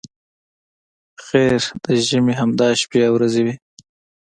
خیر د ژمي همدا شپې او ورځې وې.